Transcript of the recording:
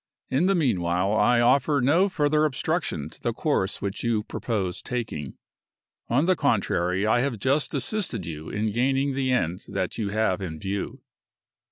In the meanwhile I offer no further obstruction to the course which you propose taking. On the contrary, I have just assisted you in gaining the end that you have in view."